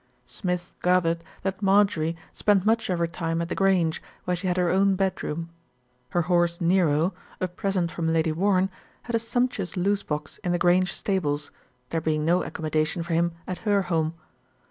Smith gathered that Marjorie spent much of her time at The Grange, where she had her own bedroom. Her horse Nero, a present from Lady Warren, had a sumptuous loose box in The Grange stables, there being no accommodation for him at her home.